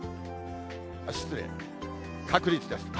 失礼、確率です。